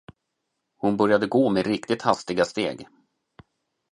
Hon började gå med riktigt hastiga steg.